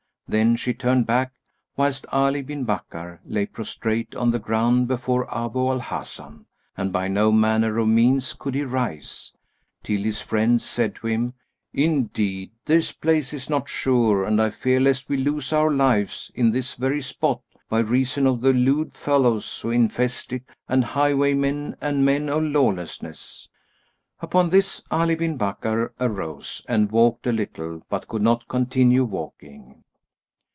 Then she turned back, whilst Ali bin Bakkar lay prostrate on the ground before Abu al Hasan and by no manner of means could he rise, till his friend said to him, "Indeed this place is not sure and I fear lest we lose our lives in this very spot, by reason of the lewd fellows who infest it and highwaymen and men of lawlessness." Upon this Ali bin Bakkar arose and walked a little but could not continue walking.